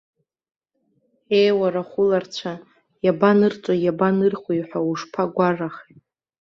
Ее, уара ахәыларцәа, иабанырҵои, иабанырхуеи ҳәа ушԥагәарахеи.